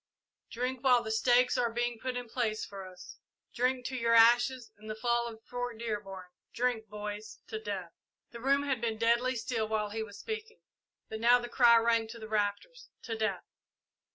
Drink while the stakes are being put in place for us drink to your ashes and the fall of Fort Dearborn drink, boys to Death!" The room had been deadly still while he was speaking, but now the cry rang to the rafters, "To Death!"